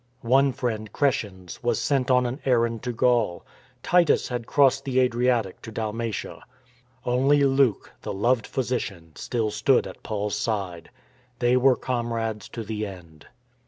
One friend, Crescens, was sent on an errand to Gaul ; Titus had crossed the Adriatic to Dalmatia. Only Luke, the loved physician, still stood at Paul's side. They were comrades to the end.